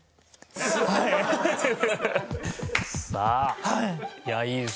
さあいいですよ。